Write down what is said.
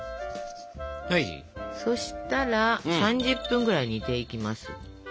そしたら３０分くらい煮ていきます。